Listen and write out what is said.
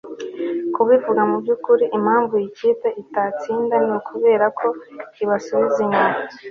kubivuga mubyukuri, impamvu iyi kipe itazatsinda ni ukubera ko ubasubiza inyuma